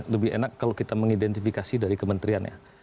lebih enak kalau kita mengidentifikasi dari kementerian ya